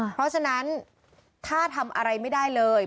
เพราะฉะนั้นถ้าทำอะไรไม่ได้เลย